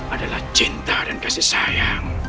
adalah cinta dan kasih sayang